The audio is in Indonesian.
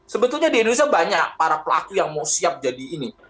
sebetulnya di indonesia banyak para pelaku yang mau siap jadi ini